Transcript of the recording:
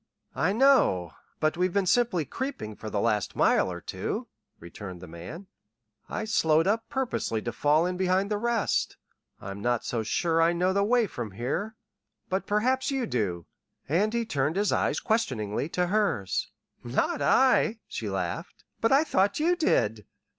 "I know, but we've been simply creeping for the last mile or two," returned the man. "I slowed up purposely to fall in behind the rest. I'm not so sure I know the way from here but perhaps you do." And he turned his eyes questioningly to hers. "Not I," she laughed. "But I thought you did."